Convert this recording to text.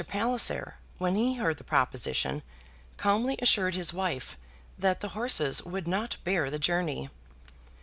Palliser, when he heard the proposition, calmly assured his wife that the horses would not bear the journey.